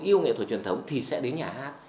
yêu nghệ thuật truyền thống thì sẽ đến nhà hát